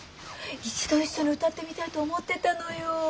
一度一緒に歌ってみたいと思ってたのよ。